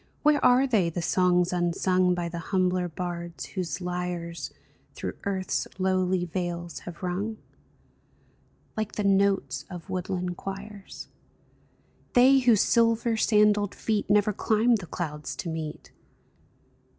Where are they — the songs unsung By the humbler bards whose lyres Through earth's lowly vales have rung, Like the notes of woodland choirs ? They whose silver sandalled feet Never climbed the clouds to meet